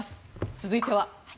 続いては。